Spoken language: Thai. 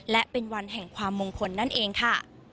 และเป็นวันแห่งความมงคลนั่นเองค่ะ